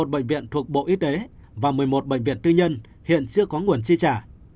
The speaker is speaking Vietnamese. một bệnh viện thuộc bộ y tế và một mươi một bệnh viện tư nhân hiện chưa có nguồn chi trả